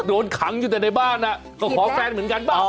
โดนขังอยู่แต่ในบ้านก็ขอแฟนเหมือนกันเปล่า